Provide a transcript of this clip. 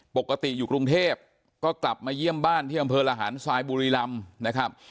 ปกติอยู่กรุงเทพก็กลับมาเยี่ยมบ้านที่อำเภอระหารทรายบุรีรำนะครับ